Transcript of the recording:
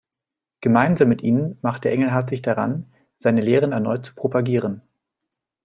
Gemeinsam mit ihnen machte Engelhardt sich daran, seine Lehren erneut zu propagieren.